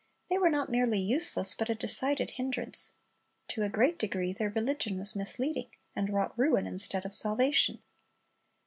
They were not merely useless, but a decided hindrance. To a great degree their religion was misleading, and wrought ruin instead of salvation.